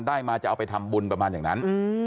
ได้มาจะเอาไปทำบุญประมาณอย่างนั้น